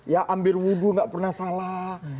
ya ambir wudhu gak pernah salah